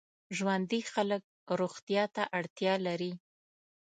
ژوندي خلک روغتیا ته اړتیا لري